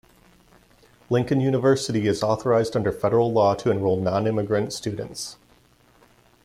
Lincoln University is authorized under Federal law to enroll nonimmigrant students.